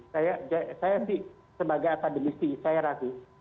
saya sih sebagai akademisi saya ragu